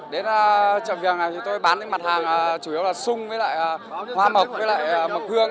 đến chợ viếng này thì tôi bán mặt hàng chủ yếu là sung hoa mộc mực gương